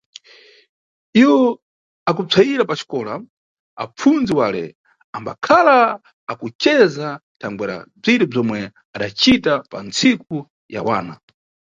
Iwo akupsayira paxikola, apfundzi wale ambakhala akuceza thangwera bzire bzomwe adacita pantsiku ya wana.